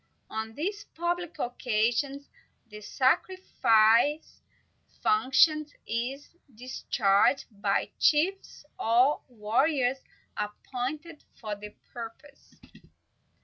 On these public occasions, the sacrificial function is discharged by chiefs, or by warriors appointed for the purpose.